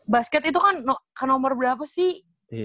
basket itu kan ke nomor berapa sih